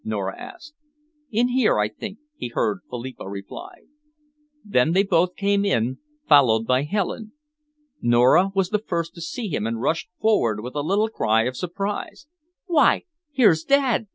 Nora asked. "In here, I think," he heard Philippa reply. Then they both came in, followed by Helen. Nora was the first to see him and rushed forward with a little cry of surprise. "Why, here's Dad!"